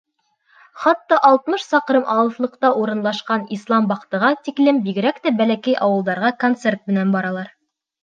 Хатта алтмыш саҡрым алыҫлыҡта урынлашҡан Исламбахтыға тиклем, бигерәк тә бәләкәй ауылдарға концерт менән баралар.